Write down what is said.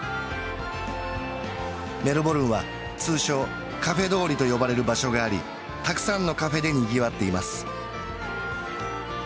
メルボルンは通称カフェ通りと呼ばれる場所がありたくさんのカフェでにぎわっています